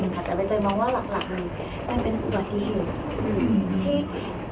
แต่เบ๊เตอร์มองว่าหลักมันเป็นอุบัติเหตุ